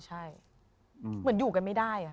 ใช่เหมือนอยู่กันไม่ได้